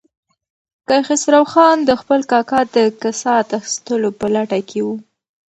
کیخسرو خان د خپل کاکا د کسات اخیستلو په لټه کې و.